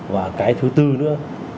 và cái thứ tư nữa